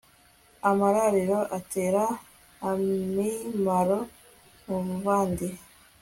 amirariro atera amimaro muvandi